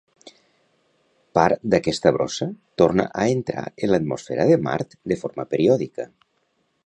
Par d'aquesta brossa, torna a entrar en l'atmosfera de Mart de forma periòdica.